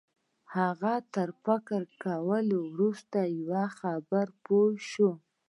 هغه تر فکر کولو وروسته په یوه خبره پوه شو